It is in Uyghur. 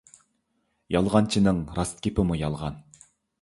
يالغانچىنىڭ راست گېپىمۇ يالغان.